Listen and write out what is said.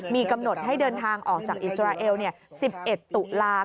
มีกำหนดให้เดินทางออกจากอิสราเอล๑๑ตุลาคม